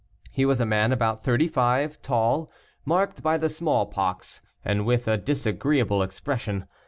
He was a man about thirty five, tall, marked by the smallpox, and with a disagreeable expression.